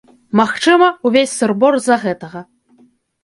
Магчыма, увесь сыр-бор з-за гэтага.